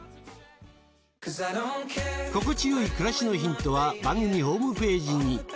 心地よい暮らしのヒントは番組ホームページに。